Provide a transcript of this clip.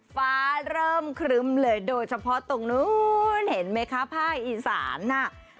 ฟ้าเริ่มครึ้มเลยโดยเฉพาะตรงนู้นเห็นไหมคะภาคอีสานน่ะ